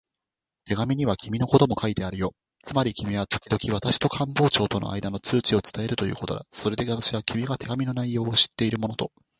手紙には君のことも書いてあるよ。つまり君はときどき私と官房長とのあいだの通知を伝えるということだ。それで私は、君が手紙の内容を知っているものと